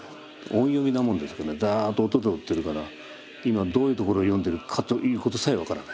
音読みなもんですからざっと音取ってるから今どういうところを読んでるかということさえ分からない。